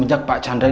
nara spesial lagi